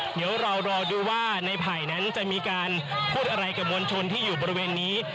เดี๋ยวเรารอดูว่าในไผ่นั้นจะมีการพูดอะไรกับมวลชนที่อยู่บริเวณนี้